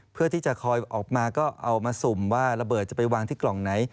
เพื่อที่จะคอยออกมาก็เอามาสุ่มว่าระเบิดจะไปวางที่กล่องไหน